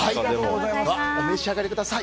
お召し上がりください。